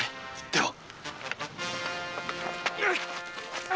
では！